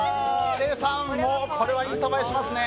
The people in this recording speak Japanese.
礼さん、これはインスタ映えしますね。